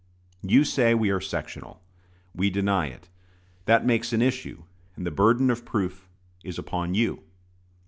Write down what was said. You say we are sectional. We deny it. That makes an issue; and the burden of proof is upon you.